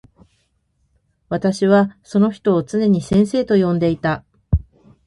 私はその人をつねに先生と呼んでいた。